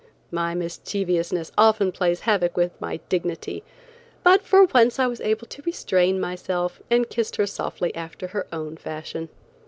My mischievousness often plays havoc with my dignity, but for once I was able to restrain myself, and kissed her softly after her own fashion.